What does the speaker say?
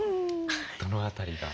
どの辺りが？